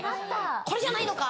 これじゃないのか？